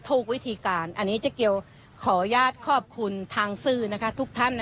ถูกวิธีการอันนี้จะเกี่ยวขออนุญาตขอบคุณทางซื้อนะคะทุกท่านนะคะ